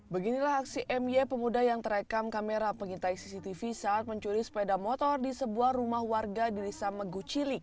beginilah aksi my pemuda yang terekam kamera pengintai cctv saat mencuri sepeda motor di sebuah rumah warga di desa megucili